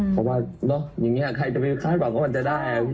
เพราะว่าเนอะอย่างนี้ค่ะใครบอกว่ามันจะได้